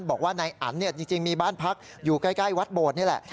บอกว่านายอันจริงมีบ้านพักอยู่ใกล้วัดโบดนี่แหละ